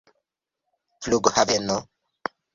flughaveno